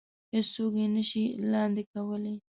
هېڅ څوک يې نه شي لاندې کولی.